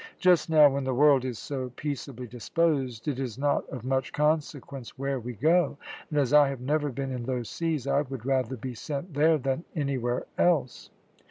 Just now, when the world is so peaceably disposed, it is not of much consequence where we go; and as I have never been in those seas I would rather be sent there than anywhere else."